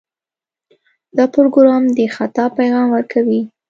دا پروګرام د خطا پیغام ورکوي.